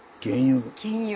原油。